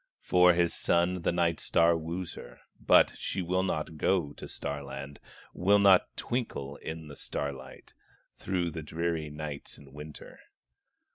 For his son the Night star wooes her, But she will not go to Star land, Will not twinkle in the starlight, Through the dreary nights in winter.